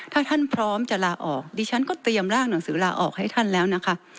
ถ้าท่านพร้อมจะลาออกดิฉันก็เตรียมร่างหนังสือลาออกให้ท่านแล้วนะคะ